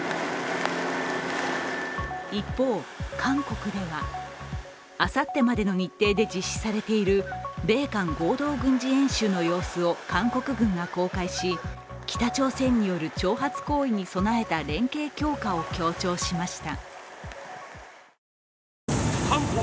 一方、韓国ではあさってまでの日程で実施されている米韓合同軍事演習の様子を韓国軍が公開し、北朝鮮による挑発行為に備えた連携強化を強調しました。